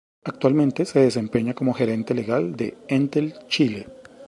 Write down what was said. Actualmente se desempeña como gerente legal de Entel Chile.